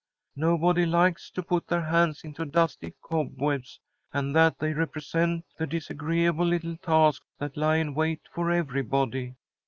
Nobody likes to put their hands into dusty cobwebs, and that they represent the disagreeable little tasks that lie in wait for everybody.